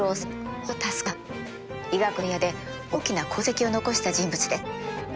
医学の分野で大きな功績を残した人物です。